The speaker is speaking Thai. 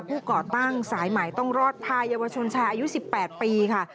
ก่อตั้งสายใหม่ต้องรอดพาเยาวชนชายอายุ๑๘ปีค่ะ